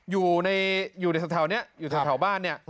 อยู่ในแถวนี้อยู่แถวบ้านเนี่ย